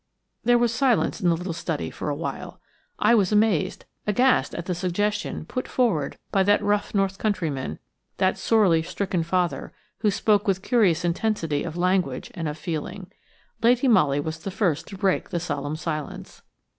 There was silence in the little study for awhile. I was amazed, aghast at the suggestion put forward by that rough north countryman, that sorely stricken father who spoke with curious intensity of language and of feeling. Lady Molly was the first to break the solemn silence.